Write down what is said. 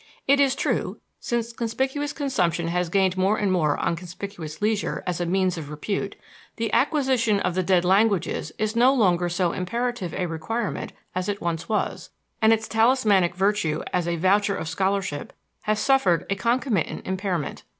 It is true, since conspicuous consumption has gained more and more on conspicuous leisure as a means of repute, the acquisition of the dead languages is no longer so imperative a requirement as it once was, and its talismanic virtue as a voucher of scholarship has suffered a concomitant impairment.